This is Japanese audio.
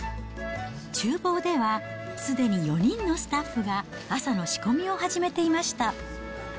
ちゅう房では、すでに４人のスタッフが朝の仕込みを始めていました。